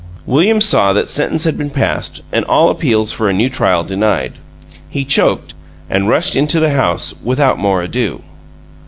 William saw that sentence had been passed and all appeals for a new trial denied. He choked, and rushed into the house without more ado.